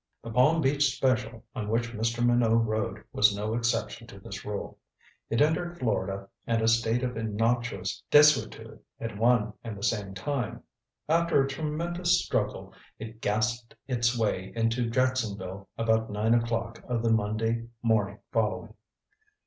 The Palm Beach Special on which Mr. Minot rode was no exception to this rule. It entered Florida and a state of innocuous desuetude at one and the same time. After a tremendous struggle, it gasped its way into Jacksonville about nine o'clock of the Monday morning following.